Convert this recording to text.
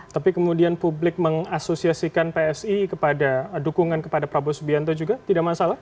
tapi kemudian publik mengasosiasikan psi kepada dukungan kepada prabowo subianto juga tidak masalah